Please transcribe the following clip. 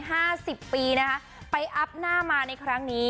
ห้าสิบปีนะคะไปอัพหน้ามาในครั้งนี้